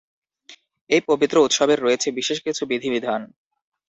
এই পবিত্র উৎসবের রয়েছে বিশেষ কিছু বিধিবিধান।